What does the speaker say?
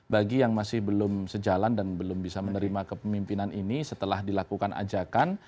bagi yang masih belum sejalan dan belum bisa menerima kepemimpinan ini setelah dilakukan ajakan